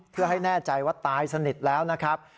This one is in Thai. เพื่อให้แน่ใจว่าตายสนิทแล้วนะครับ